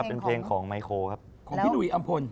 เป็นเพลงของไมโครครับของพี่หุยอำพล